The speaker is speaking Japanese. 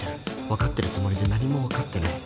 分かってるつもりで何も分かってない